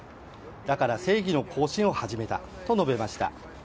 だから正義の行進を始めたと述べました。